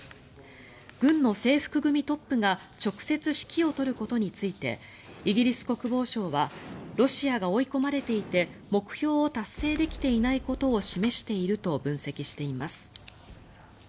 軍の制服組トップが直接指揮を執ることについてイギリス国防省はロシアが追い込まれていて目標を達成できていないことを示していると分析しています。